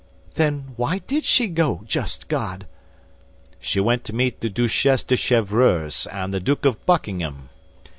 "Then why did she go, just God?" "She went to meet the Duchesse de Chevreuse and the Duke of Buckingham."